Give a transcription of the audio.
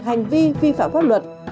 hành vi phi phạm pháp luật